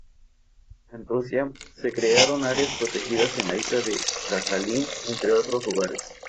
En Rusia, se crearon áreas protegidas en la isla de Sajalín, entre otros lugares.